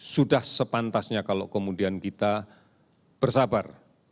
sudah sepantasnya kalau kemudian kita bersabar